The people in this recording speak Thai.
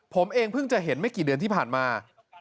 ผมเองเพิ่งจะเห็นไม่กี่เดือนที่ผ่านมา